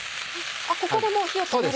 ここでもう火を止める？